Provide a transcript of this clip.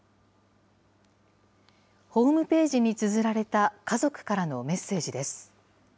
ホームページにつづられた家族からのメッセージです。